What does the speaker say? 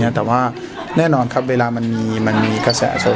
มีบ้างครับก็มีคุยกันบ้างครับ